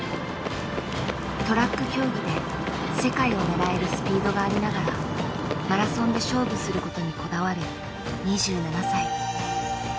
トラック競技で世界を狙えるスピードがありながらマラソンで勝負することにこだわる２７歳。